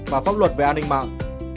và pháp luật về an ninh mạng